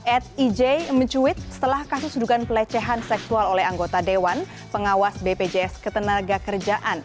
ed ej mencuit setelah kasus dugaan pelecehan seksual oleh anggota dewan pengawas bpjs ketenagakerjaan